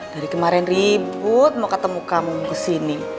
dari kemarin ribut mau ketemu kamu kesini